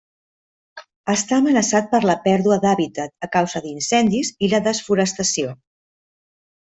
Està amenaçat per la pèrdua d'hàbitat a causa d'incendis i la desforestació.